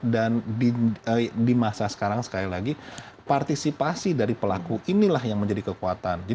di masa sekarang sekali lagi partisipasi dari pelaku inilah yang menjadi kekuatan